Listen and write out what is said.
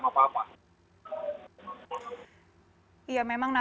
melihat keadaan ini